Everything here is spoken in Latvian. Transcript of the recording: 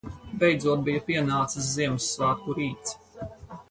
Beidzot bija pienācis Ziemassvētku rīts.